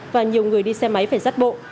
và nhiều người đi xe máy phải rắt bộ